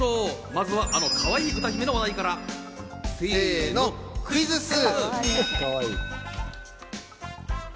まずは、あのかわいい歌姫の話題から、せの、クイズッス！